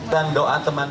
dan doa teman teman